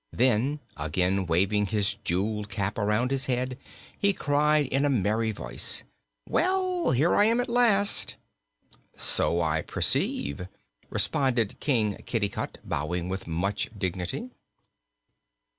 Then, again waving his jeweled cap around his head, he cried in a merry voice: "Well, here I am at last!" "So I perceive," responded King Kitticut, bowing with much dignity.